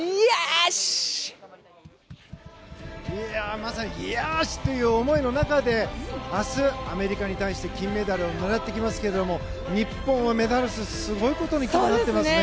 まさに、よし！という思いの中で明日、アメリカに対して金メダルを狙ってきますけど日本はメダル数すごいことになってますね。